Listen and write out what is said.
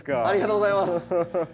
ありがとうございます。